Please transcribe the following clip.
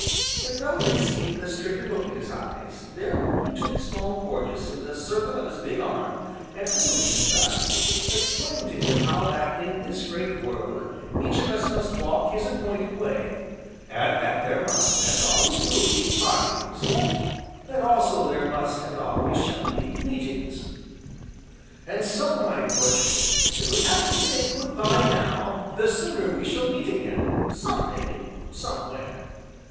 But Bellew had seen the stricken look in his eyes, therefore he took Small Porges in the circle of his big arm, and holding him thus, explained to him how that in this great world each of us must walk his appointed way, and that there must, and always will be, partings, but that also there must and always shall be, meetings: "And so, my Porges, if we have to say 'Good bye' now, the sooner we shall meet again, some day somewhere."